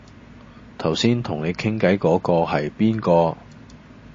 頭先同你傾偈嗰嗰係邊個